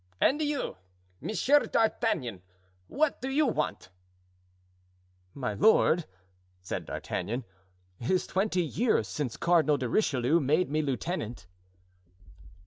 "And you, Monsieur D'Artagnan, what do you want?" "My lord," said D'Artagnan, "it is twenty years since Cardinal de Richelieu made me lieutenant."